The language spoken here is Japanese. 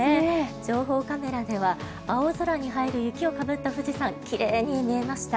情報カメラでは青空に映える雪をかぶった富士山奇麗に見えました。